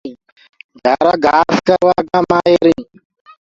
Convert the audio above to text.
گهيآرآ گھآس ڪروآ ڪآ مآهر هينٚ۔